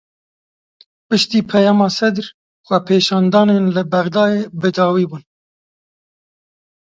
Piştî peyama Sedr xwepêşandanên li Bexdayê bi dawî bûn.